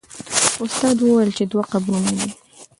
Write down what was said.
استاد وویل چې دوه قبرونه دي.